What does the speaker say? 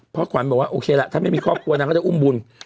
เพราะขวัญบอกว่าโอเคล่ะถ้าไม่มีครอบครัวนางก็จะอุ้มบุญ